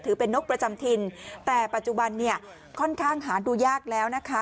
เป็นนกประจำถิ่นแต่ปัจจุบันเนี่ยค่อนข้างหาดูยากแล้วนะคะ